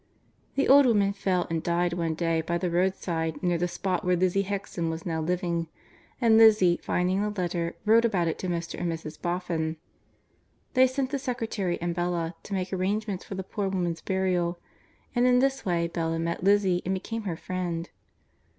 The old woman fell and died one day by the roadside near the spot where Lizzie Hexam was now living, and Lizzie, finding the letter, wrote about it to Mr. and Mrs. Boffin. They sent the secretary and Bella, to make arrangements for the poor woman's burial, and in this way Bella met Lizzie and became her friend.